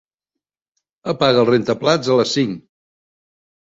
Apaga el rentaplats a les cinc.